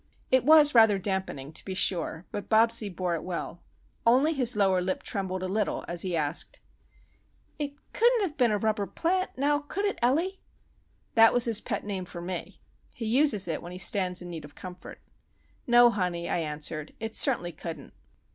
It was rather dampening, to be sure, but Bobsie bore it well. Only his lower lip trembled a little as he asked,— "It couldn't have been a rubber plant, now could it, Ellie?" That is his pet name for me. He uses it when he stands in need of comfort. "No, honey," I answered. "It certainly couldn't."